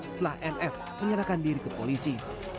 setelah nf menyerahkan diri ke polisi